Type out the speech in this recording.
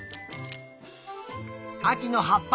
あきのはっぱ